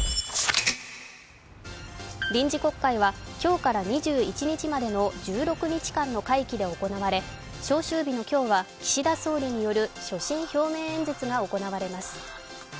臨時国会は今日から２１日までの１６日間の会期で行われ召集日の今日は岸田総理による所信表明演説が行われます。